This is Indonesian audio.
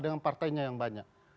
dengan partainya yang banyak